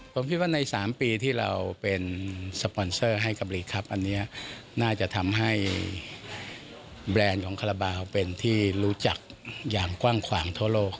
ผมคิดว่าใน๓ปีที่เราเป็นสปอนเซอร์ให้กับลีกครับอันนี้น่าจะทำให้แบรนด์ของคาราบาลเป็นที่รู้จักอย่างกว้างขวางทั่วโลก